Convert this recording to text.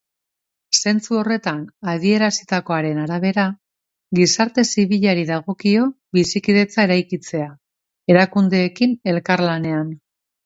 Zentzu horretan adierazitakoaren arabera, gizarte zibilari dagokio bizikidetza eraikitzea, erakundeekin elkarlanean.